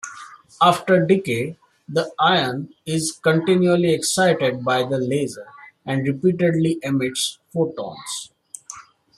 After decay, the ion is continually excited by the laser and repeatedly emits photons.